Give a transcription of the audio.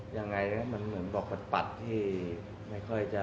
ยังไงมันเหมือนบอกปัดที่ไม่ค่อยจะ